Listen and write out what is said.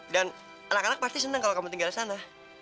dan anak anak pasti senang kalau kamu tinggal disana